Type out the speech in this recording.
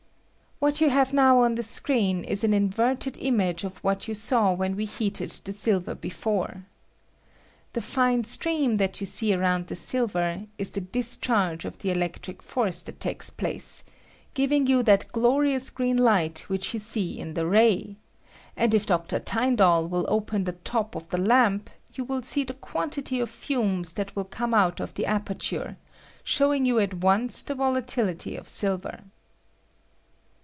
] What you have now on the screen is an inverted image of what you saw when we heated the silver before. The fine stream that you see around the silver is the discharge of the electric force that takes place, giving you that glorious green light which you see in the ray ; and if Dr. Tyn dall will open the top of the lamp, you will see the quantity of fumes that will come out of the aperture, showing you at once the volatility of Hiver.